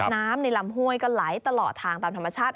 น้ำในลำห้วยก็ไหลตลอดทางตามธรรมชาติ